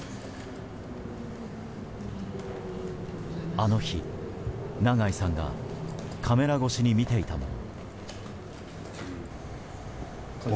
あの日、長井さんがカメラ越しに見ていたもの。